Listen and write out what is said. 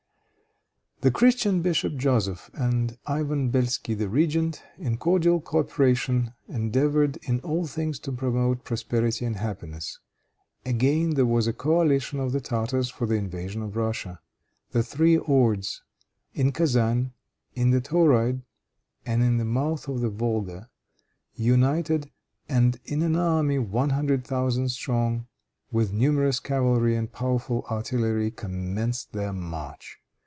The Christian bishop, Joseph, and Ivan Belsky, the regent, in cordial coöperation, endeavored in all things to promote prosperity and happiness. Again there was a coalition of the Tartars for the invasion of Russia. The three hordes, in Kezan, in the Tauride and at the mouth of the Volga, united, and in an army one hundred thousand strong, with numerous cavalry and powerful artillery, commenced their march.